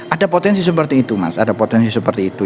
ada potensi seperti itu mas ada potensi seperti itu